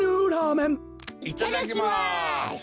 いただきます！